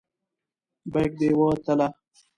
بیک دې وتله.